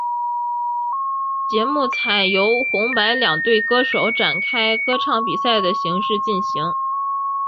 节目采由红白两队歌手展开歌唱比赛的形式进行。